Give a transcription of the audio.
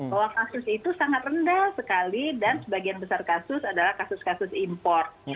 bahwa kasus itu sangat rendah sekali dan sebagian besar kasus adalah kasus kasus import